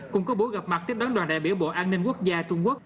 cùng có buổi gặp mặt tiếp đón đoàn đại biểu bộ an ninh quốc gia trung quốc